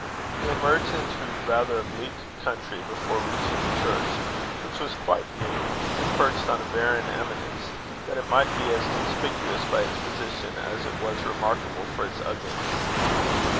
They emerged into rather a bleak country before reaching the church, which was quite new, and perched on a barren eminence, that it might be as conspicuous by its position, as it was remarkable for its ugliness.